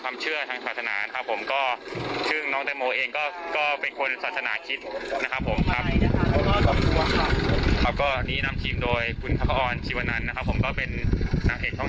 เมื่อกี้วันนี้ของศัตรูอาคิศแจ้ง